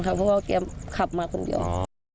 เพราะว่าแกขับมาคนเดียว